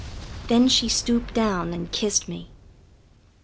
Then she stooped down and kissed me.